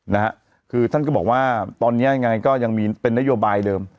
นะฮะคือท่านก็บอกว่าตอนนี้ยังไงก็ยังมีเป็นนโยบายเดิม